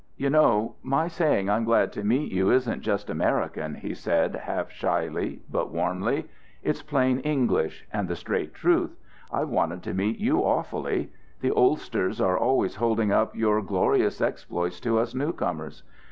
"You know my saying I'm glad to meet you isn't just American," he said half shyly, but warmly. "It's plain English, and the straight truth. I've wanted to meet you awfully. The oldsters are always holding up your glorious exploits to us newcomers.